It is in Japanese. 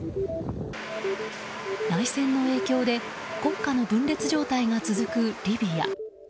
内戦の影響で国家の分裂状態が続くリビア。